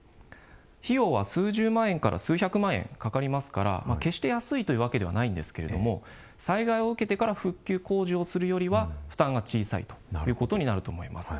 費用は数十万円から数百万円かかりますから決して安いというわけではないんですけれども災害を受けてから復旧工事をするよりは負担が小さいということになると思います。